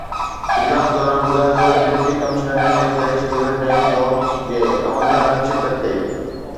اجلاس دوران ٻڌايو ويو ته deputy commissioner income tax unit range zone جي عملدارن شرڪت ڪئي